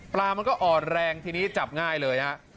ปลามันก็อ่อนแรงทีนี้จับง่ายเลยครับ